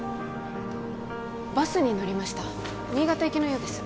バスに乗りました新潟行きのようです